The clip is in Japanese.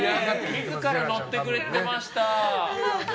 自ら乗ってくれました！